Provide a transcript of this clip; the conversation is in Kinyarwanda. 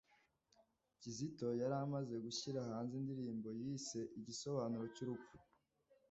Kizito yari amaze gushyira hanze indirimbo yise “Igisobanuro cy’urupfu”